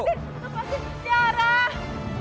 lepasin lepasin tiara